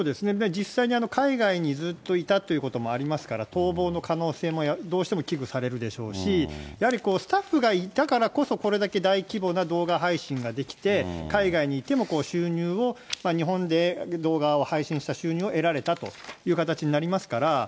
実際に海外にずっといたということもありますから、逃亡の可能性もどうしても危惧されるでしょうし、やはりスタッフがいたからこそ、これだけ大規模な動画配信ができて、海外にいても収入を、日本で動画を配信した収入を得られたという形になりますから。